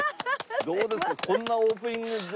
どうですか？